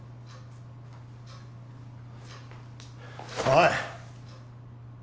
おい！